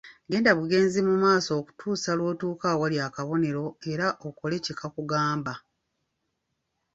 Genda bugenzi mu maaso okutuusa lw’otuuka awali akabonero era okole kye kakugamba.